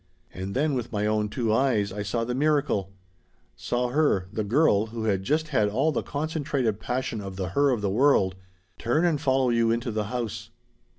And then with my own two eyes I saw the miracle: Saw her the girl who had just had all the concentrated passion of the Her of the world turn and follow you into the house.